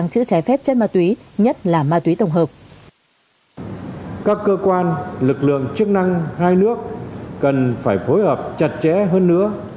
các cơ quan lực lượng chức năng hai nước cần phải phối hợp chặt chẽ hơn nữa